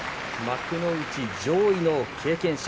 幕内上位の経験者